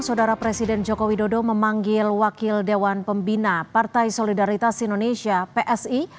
saudara presiden joko widodo memanggil wakil dewan pembina partai solidaritas indonesia psi